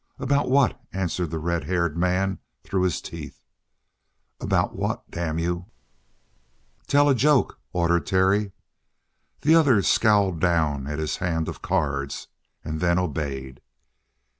"About what?" answered the red haired man through his teeth. "About what, damn you!" "Tell a joke," ordered Terry. The other scowled down at his hand of cards and then obeyed.